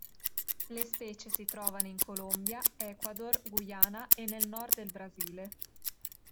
Le specie si trovano in Colombia, Ecuador, Guyana e nel nord del Brasile.